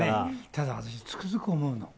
ただ、つくづく思うの。